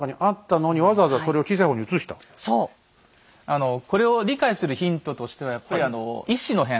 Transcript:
あのこれを理解するヒントとしてはやっぱり乙巳の変。